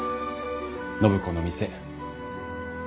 暢子の店。